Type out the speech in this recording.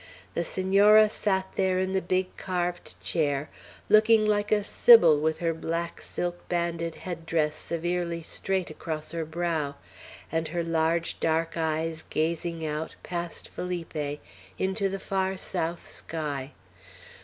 The Senora sat there, in the big carved chair, looking like a sibyl with her black silk banded head dress severely straight across her brow, and her large dark eyes gazing out, past Felipe, into the far south sky.